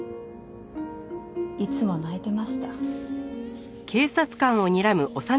いつも泣いてました。